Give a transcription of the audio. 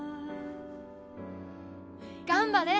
頑張れ！